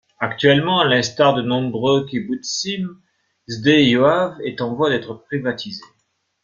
Acttuellement, à l'instar de nombreux kibbutzim, Sde Yoav est en voie d'être privatisé.